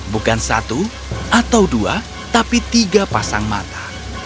bukan satu atau dua tapi tiga pasang mata